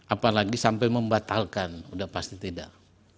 apalagi sampai membatalkan udah pasti tidak